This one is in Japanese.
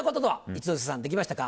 一之輔さんできましたか？